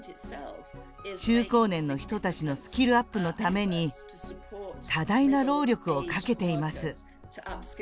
中高年の人たちのスキルアップのために多大な労力をかけています。